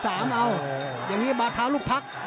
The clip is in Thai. ฝ่ายทั้งเมืองนี้มันตีโต้หรืออีโต้